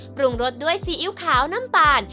ปรุงรสด้วยซีอิ๊วขาวน้ำตาล